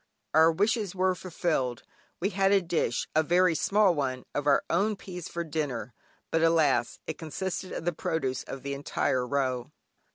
Our wishes were fulfilled; we had a dish, (a very small one) of our own peas for dinner, but alas it consisted of the produce of the entire row.